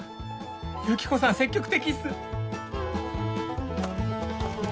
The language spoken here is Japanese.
ユキコさん積極的っす